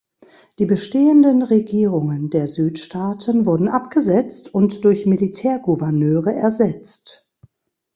Die bestehenden Regierungen der Südstaaten wurden abgesetzt und durch Militärgouverneure ersetzt.